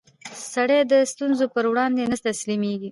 سړی د ستونزو پر وړاندې نه تسلیمېږي